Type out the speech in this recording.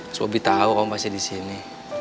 mas bobby tahu kamu pasti di sini